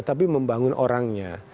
tapi membangun orangnya